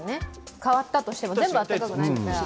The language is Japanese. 変わったとしても、全部暖かくないとしたら。